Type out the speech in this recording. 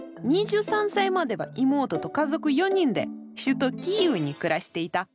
２３歳までは妹と家族４人で首都キーウに暮らしていた。